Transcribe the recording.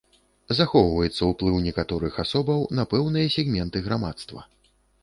Захоўваецца ўплыў некаторых асобаў на пэўныя сегменты грамадства.